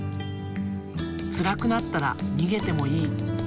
つらくなったらにげてもいい。